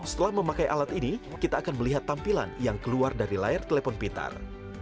setelah memakai alat ini kita akan melihat tampilan yang keluar dari layar telepon pintar